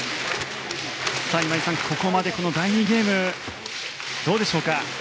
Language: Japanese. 今井さん、ここまで第２ゲームどうでしょうか？